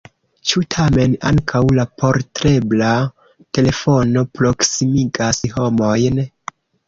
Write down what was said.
Ĉu tamen ankaŭ la portebla telefono proksimigas homojn?